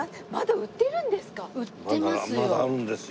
売ってますよ。